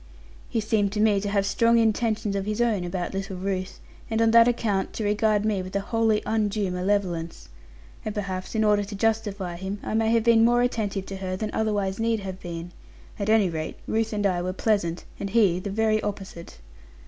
He seemed to me to have strong intentions of his own about little Ruth, and on that account to regard me with a wholly undue malevolence. And perhaps, in order to justify him, I may have been more attentive to her than otherwise need have been; at any rate, Ruth and I were pleasant; and he the very opposite.